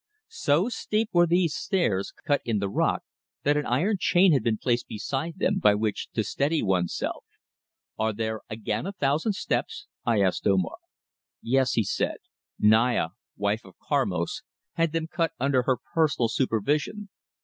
So steep were these stairs cut in the rock that an iron chain had been placed beside them by which to steady one's self. "Are there again a thousand steps?" I asked Omar. "Yes," he said. "Naya, wife of Karmos, had them cut under her personal supervision.